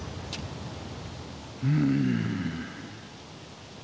うん。